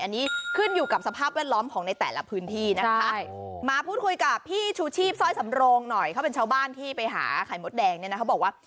อันนี้ขึ้นอยู่กับสภาพแวดล้อมของในแต่ละพื้นที่นะคะมาพูดคุยกับพี่ชูชีพสร้อยสำโรงหน่อยเขาเป็นชาวบ้านที่ไปหาไข่มดแดงเนี่ยนะเขาบอกว่า